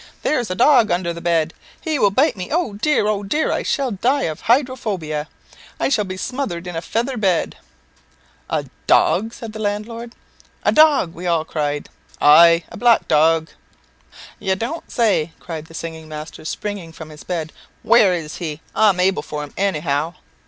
There's a dog under the bed! He will bite me! Oh, dear! oh, dear! I shall die of hydrophobia. I shall be smothered in a feather bed!" "A dog!" said the landlord. "A dog!" cried we all. "Aye, a black dog." "You don't say!" cried the singing master, springing from his bed. "Where is he? I'm able for him any how."